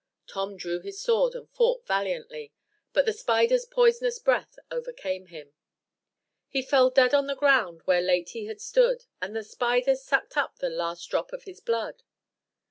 Tom drew his sword and fought valiantly, but the spider's poisonous breath overcame him: "He fell dead on the ground where late he had stood, And the spider suck'd up the last drop of his blood."